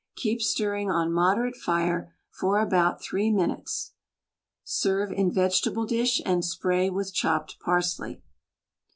Keep stirring on moderate fire for about three minutes, serve in vegetable dish and spray with chopped parsley.